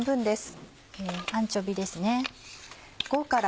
アンチョビーですね。